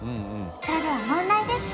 それでは問題です